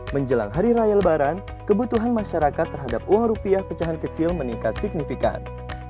menjelang hari raya lebaran kebutuhan masyarakat terhadap uang rupiah pecahan kecil meningkat signifikan